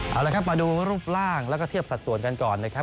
เอาละครับมาดูรูปร่างแล้วก็เทียบสัดส่วนกันก่อนนะครับ